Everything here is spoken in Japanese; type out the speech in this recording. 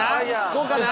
こうかな？